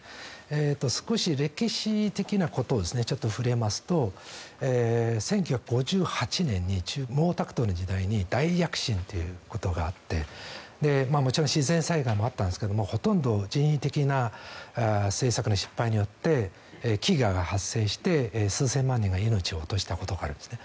少し歴史的なことをちょっと触れますと１９５８年の毛沢東の時代に大躍進ということがあってもちろん自然災害もあったんですがほとんど人為的な政策の失敗によって飢餓が発生して数千万人が命を落としたことがあるんですね。